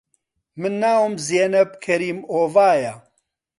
من ناوم زێنەب کەریم ئۆڤایە